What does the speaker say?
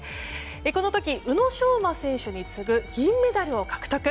この時、宇野昌磨選手に次ぐ銀メダルを獲得。